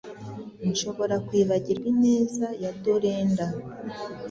nshobora kwibagirwa ineza ya Dorenda